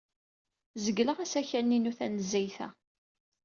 Zegleɣ asakal-inu tanezzayt-a.